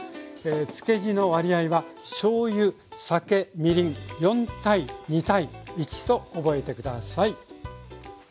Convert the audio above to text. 漬け地の割合はしょうゆ酒みりん４：２：１と覚えて下さい。